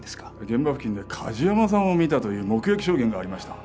現場付近で梶山さんを見たという目撃証言がありました。